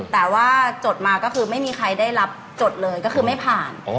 แต่ว่าจดมาก็คือไม่มีใครได้รับจดเลยก็คือไม่ผ่าน